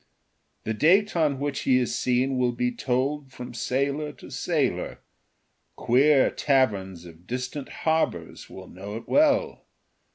The date on which he is seen will be told from sailor to sailor. Queer taverns of distant harbours will know it well.